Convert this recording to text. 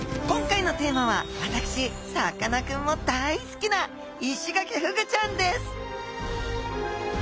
今回のテーマは私さかなクンも大好きなイシガキフグちゃんです！